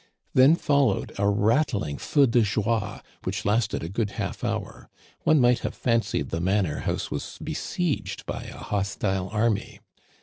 Then followed a rattling feu de joicy which lasted a good half hour. One might have fancied the manor house was besieged by a hostile army.